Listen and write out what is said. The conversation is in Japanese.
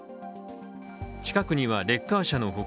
近くにはレッカー車の他